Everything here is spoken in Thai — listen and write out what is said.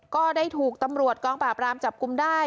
ก็ได้ถูกตำรวจกองปราบรามจับกลุ่มได้